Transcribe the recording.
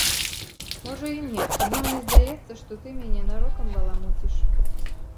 Можа, і не, адно мне здаецца, што ты мяне нарокам баламуціш.